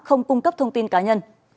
không cung cấp thông tin cá nhân